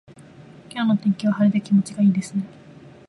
今日の天気は晴れで気持ちがいいですね。